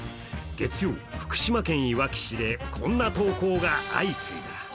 月曜、福島家いわき市でこんな投稿が相次いだ。